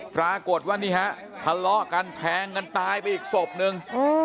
ปรากฏว่านี่ฮะทะเลาะกันแทงกันตายไปอีกศพนึง